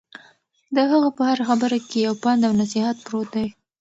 د هغه په هره خبره کې یو پند او نصیحت پروت دی.